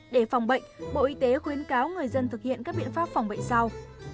để phòng bệnh bộ y tế khuyến cáo người dân thực hiện các biện pháp phòng bệnh sau